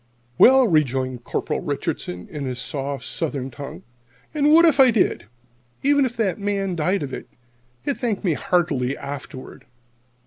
"Well," rejoined Corporal Richardson, in his soft Southern tongue, "and what if I did? Even if that man died of it, he'd thank me heartily afterward.